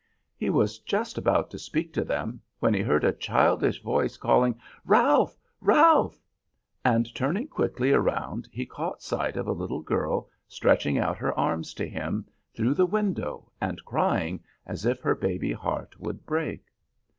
He was just about to speak to them when he heard a childish voice calling, "Ralph! Ralph!" and, turning quickly around, he caught sight of a little girl stretching out her arms to him through the window, and crying as if her baby heart would break.